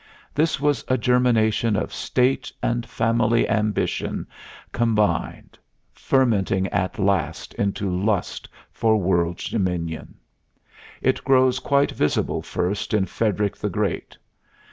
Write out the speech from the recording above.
This was a germination of state and family ambition combined, fermenting at last into lust for world dominion. It grows quite visible first in Frederick the Great.